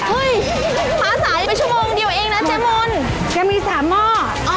เฮ่ยมาสายไปชั่วโมงเดียวเองนะเจมส์มนต์